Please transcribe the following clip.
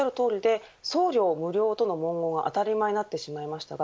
おっしゃるとおりで、送料無料との文言が当たり前になってしまいましたが